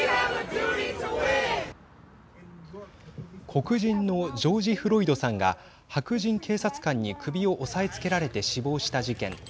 黒人のジョージ・フロイドさんが白人警察官に首を押さえつけられて死亡した事件。